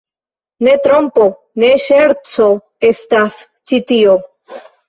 Ne trompo, ne ŝerco estas ĉi tio?